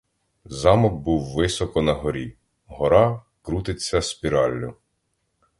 Замок був високо на горі, гора крутиться спіраллю.